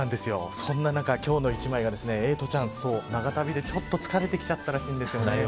そんな中、今日の一枚がエイトちゃん長旅で、ちょっと疲れてきちゃったらしいんですよね。